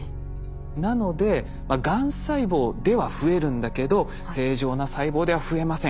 なのでがん細胞では増えるんだけど正常な細胞では増えません